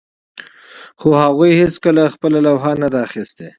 خو هغوی هیڅکله خپله لوحه نه ده اخیستې